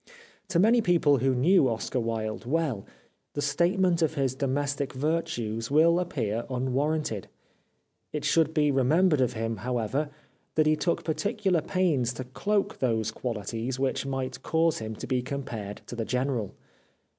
To many people who knew Oscar Wilde well the statement of his domestic virtues will appear unwarranted. It should be remembered of him, however, that he took par ticular pains to cloak those qualities which might cause him to be compared to the general.